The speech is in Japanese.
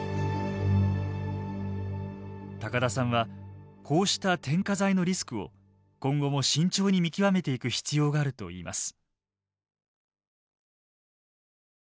高田さんはこうした添加剤のリスクを今後も慎重に見極めていく必要があるといいます。